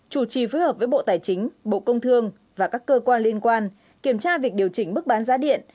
chủ trì phối hợp với bộ tài chính bộ công thương và các cơ quan liên quan kiểm tra việc điều chỉnh mức bán giá điện